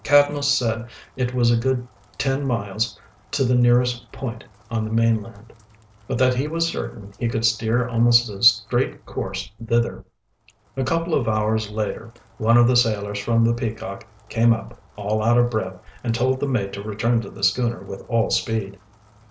Cadmus said it was a good tern miles to the nearest point of the mainland, but that he was certain he could steer almost a straight course thither. A couple of hours later one of the sailors from the Peacock came up, all out of breath, and told the mate to return to the schooner with all speed.